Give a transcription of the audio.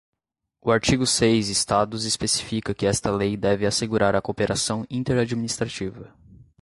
O artigo seis estados especifica que esta lei deve assegurar a cooperação inter-administrativa.